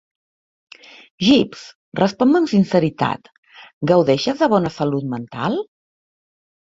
Jeeves, respon-me amb sinceritat: gaudeixes de bona salut mental?